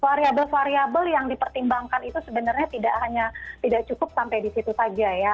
variabel variabel yang dipertimbangkan itu sebenarnya tidak hanya tidak cukup sampai disitu saja ya